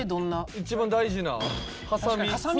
一番大事なハサミ。